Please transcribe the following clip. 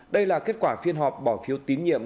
đây là kết quả phiên họp bỏ phiếu tín nhiệm